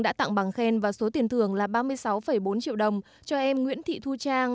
đã tặng bằng khen và số tiền thưởng là ba mươi sáu bốn triệu đồng cho em nguyễn thị thu trang